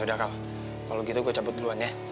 ya udah kau kalau gitu gue cabut duluan ya